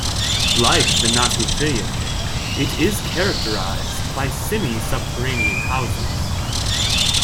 Like the Natufian, it is characterized by semi-subterranean houses.